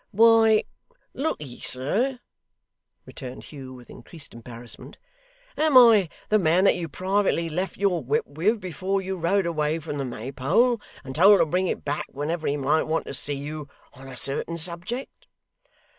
'Why, look'ee, sir,' returned Hugh with increased embarrassment, 'am I the man that you privately left your whip with before you rode away from the Maypole, and told to bring it back whenever he might want to see you on a certain subject?